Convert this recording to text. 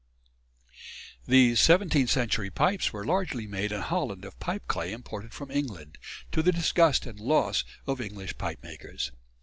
These seventeenth century pipes were largely made in Holland of pipe clay imported from England to the disgust and loss of English pipe makers.